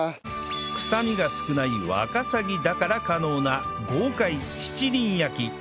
くさみが少ないワカサギだから可能な豪快七輪焼き